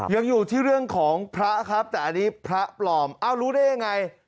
ยังอยู่ที่เรื่องของพระครับแต่อันนี้พระปลอมเอ้ารู้ได้ยังไง